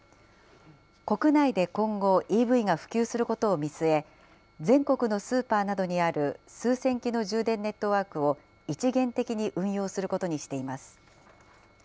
国内で今後、ＥＶが普及することを見据え、全国のスーパーなどにある数千基の充電ネットワークを、一元的に運用することにしています。